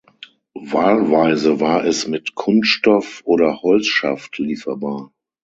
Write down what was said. Wahlweise war es mit Kunststoff- oder Holzschaft lieferbar.